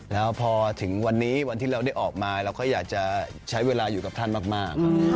แล้วพอถึงวันนี้วันที่เราได้ออกมาเราก็อยากจะใช้เวลาอยู่กับท่านมาก